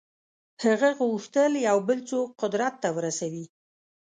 هغه غوښتل یو بل څوک قدرت ته ورسوي.